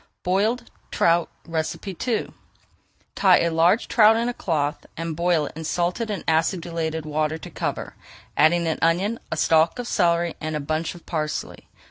BOILED TROUT II Tie a large trout in a cloth and boil it in salted and acidulated water to cover, adding an onion, a stalk of celery, and a bunch of parsley.